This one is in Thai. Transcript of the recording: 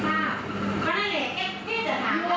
เจศข้างท้วงเดินข้างละผิด